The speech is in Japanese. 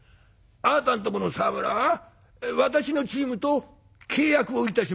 あなたんとこの沢村私のチームと契約をいたしました」。